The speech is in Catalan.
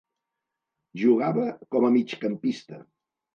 Jugava com a migcampista.